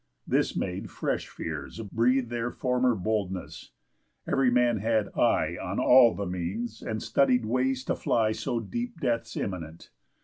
This made fresh fears breathe Their former boldness. Ev'ry man had eye On all the means, and studied ways to fly So deep deaths imminent.